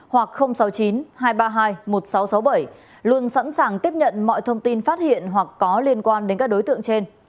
hoặc sáu mươi chín hai trăm ba mươi hai một nghìn sáu trăm sáu mươi bảy luôn sẵn sàng tiếp nhận mọi thông tin phát hiện hoặc có liên quan đến các đối tượng trên